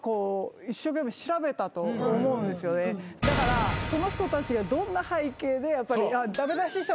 だからその人たちがどんな背景で。